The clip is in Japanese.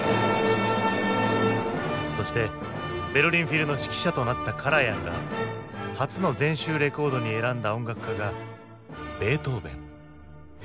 そしてベルリン・フィルの指揮者となったカラヤンが初の全集レコードに選んだ音楽家がベートーヴェン。